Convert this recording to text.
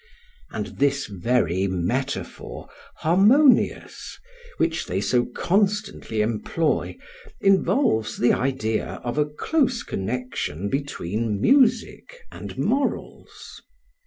And this very metaphor "harmonious," which they so constantly employ, involves the idea of a close connection between music and morals.